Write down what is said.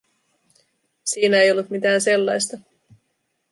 Siinä ei ollut mitään sellaista.